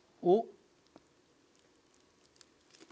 おっ！